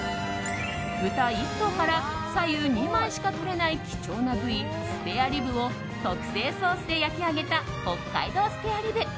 豚１頭から左右２枚しかとれない貴重な部位スペアリブを特製ソースで焼き上げた北海道スペアリブ。